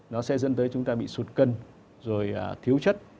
nó sẽ dẫn tới chúng ta bị sụt cân rồi thiếu chất